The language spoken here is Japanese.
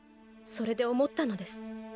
それで思ったのです。